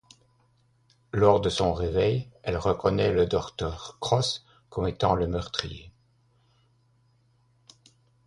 Lors de son réveil, elle reconnait le docteur Cross comme étant le meurtrier.